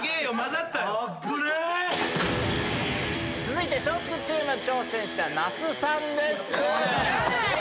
続いて松竹チーム挑戦者那須さんです。